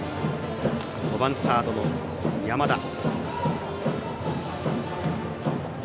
５番、サードの山田。